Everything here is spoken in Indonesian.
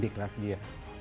di kelas dia